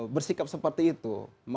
bersikap seperti itu